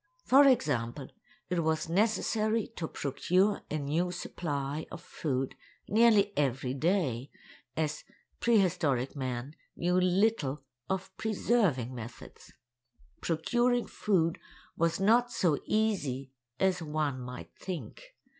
For example, it was necessary to procure a new supply of food nearly every day, as prehistoric man knew little of preserving methods. Procuring food was not so easy as one might think.